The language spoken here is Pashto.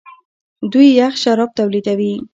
دوی یخ شراب تولیدوي.